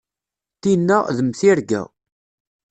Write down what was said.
Tinna d mm tirga.